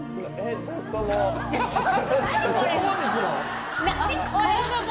そこまでいくの？